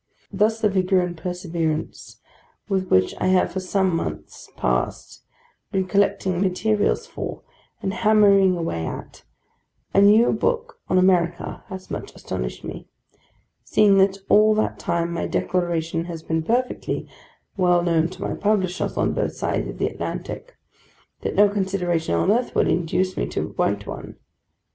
Thus, the vigour and perseverance with which I have for some months past been collecting materials for, and hammering away at, a new book on America has much astonished me; seeing that all that time my declaration has been perfectly well known to my publishers on both sides of the Atlantic, that no consideration on earth would induce me to write one.